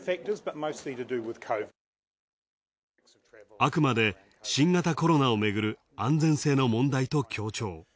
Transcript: あくまで新型コロナをめぐる安全性の問題と強調。